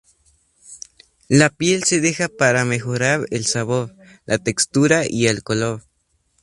La piel se deja para mejorar el sabor, la textura y el color.